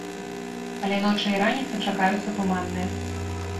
Але ночы і раніцы чакаюцца туманныя.